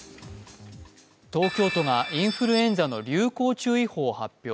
東京都がインフルエンザの流行注意報を発表。